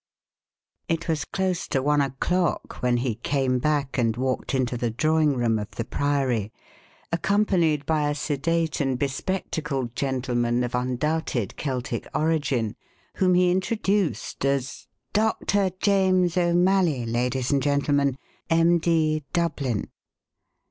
It was close to one o'clock when he came back and walked into the drawing room of the Priory, accompanied by a sedate and bespectacled gentleman of undoubted Celtic origin whom he introduced as "Doctor James O'Malley, ladies and gentlemen, M.D., Dublin."